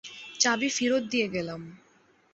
চাবি ফেরত দিয়ে গেলাম।